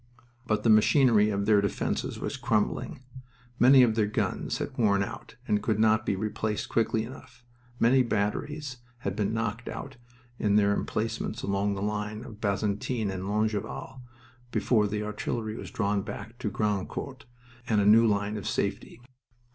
But the machinery of their defense was crumbling. Many of their guns had worn out, and could not be replaced quickly enough. Many batteries had been knocked out in their emplacements along the line of Bazentin and Longueval before the artillery was drawn back to Grand court and a new line of safety.